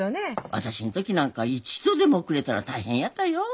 私の時なんか一度でも遅れたら大変やったよ。